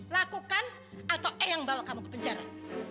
lakukan atau eh yang bawa kamu ke penjara